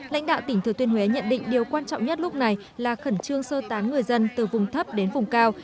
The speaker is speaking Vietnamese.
lãnh đạo tỉnh thừa tuyên huế nhận định điều quan trọng nhất lúc này là khẩn trương sơ tán người dân từ vùng thấp đến vùng cao